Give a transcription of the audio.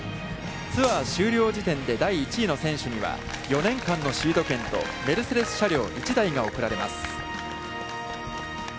ツアー終了時点で第１位の選手には、４年間のシード権とメルセデス車両１台が贈られます。